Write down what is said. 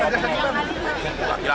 pak gibran ya pak